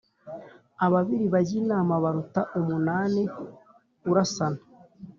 Ababiri bajya inama baruta umunani urasana.